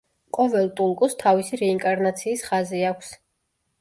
ყოველ ტულკუს თავისი რეინკარნაციის ხაზი აქვს.